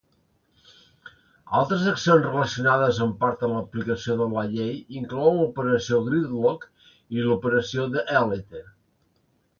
Altres accions relacionades en part amb l'aplicació de la llei inclouen l'operació Gridlock i l'operació D-Elite.